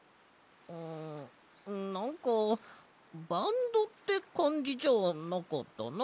んなんかバンドってかんじじゃなかったな。